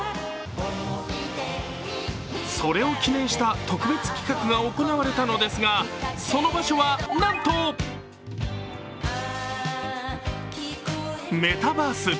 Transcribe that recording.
それを記念した特別企画が行われたのですがその場所はなんとメタバース。